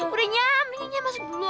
udah nyam nyam masuk dulu